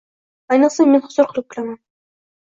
Ayniqsa, men huzur qilib kulaman.